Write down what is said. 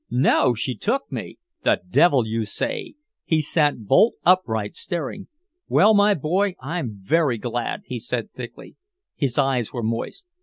"No! She took me!" "The devil you say!" He sat bolt upright, staring. "Well, my boy, I'm very glad," he said thickly. His eyes were moist.